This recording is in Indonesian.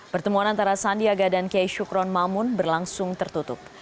pertemuan antara sandiaga dan kiai syukron mamun berlangsung tertutup